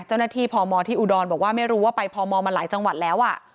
พมที่อุดรบอกว่าไม่รู้ว่าไปพมมาหลายจังหวัดแล้ว